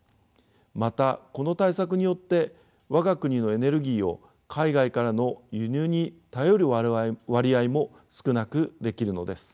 またこの対策によって我が国のエネルギーを海外からの輸入に頼る割合も少なくできるのです。